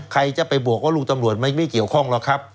ใครจะไปบวกว่าลูกตำรวจไม่เกี่ยวข้องหรอกครับ